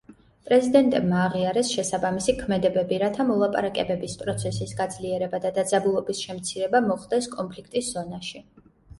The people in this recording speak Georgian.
პრეზიდენტებმა აღიარეს შესაბამისი ქმედებები, რათა მოლაპარაკებების პროცესის გაძლიერება და დაძაბულობის შემცირება მოხდეს კონფლიქტის ზონაში.